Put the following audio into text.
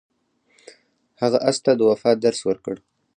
هغه اس ته د وفا درس ورکړ.